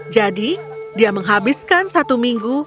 jadi dia menghabiskan satu minggu